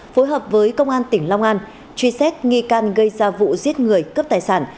phối hợp với công an tỉnh long an truy xét nghi can gây ra vụ giết người cướp tài sản